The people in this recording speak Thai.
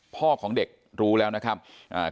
พ่อของเด็กรู้แล้วนะครับอ่า